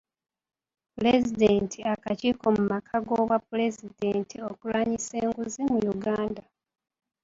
Pulezidenti akakiiko mu maka g’Obwapulezidenti okulwanyisa enguzi mu Uganda.